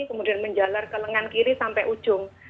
kemudian menjalar ke lengan kiri sampai ujung